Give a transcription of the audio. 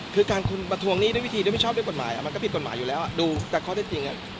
การทวงหนี้ด้วยวิธีด้วยผิดกฎหมายมันก็ผิดกฎหมายอยู่แล้วดูแต่ข้อที่จริง